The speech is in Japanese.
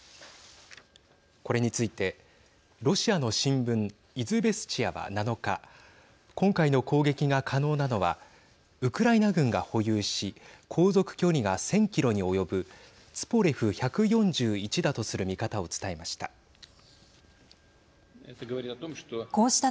これについてロシアの新聞イズベスチヤは７日今回の攻撃が可能なのはウクライナ軍が保有し航続距離が１０００キロに及ぶツポレフ１４１だとする見方を伝えました。